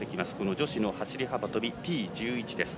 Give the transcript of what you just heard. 女子の走り幅跳びＴ１１です。